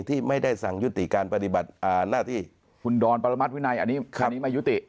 ที่ไม่ได้สั่งยุติการปฏิบัติหน้าที่คุณดอนปรมัติวินัยอันนี้ไม่ยุติ